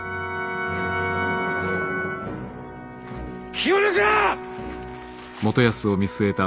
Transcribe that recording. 気を抜くな！